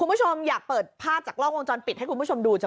คุณผู้ชมอยากเปิดภาพจากกล้องวงจรปิดให้คุณผู้ชมดูจัง